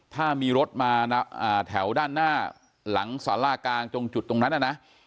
ถ้ามีรถมาแถวด้านหน้าหลังสารากลางตรงจุดตรงนั้นนะ